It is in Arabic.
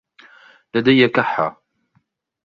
لدي كحة.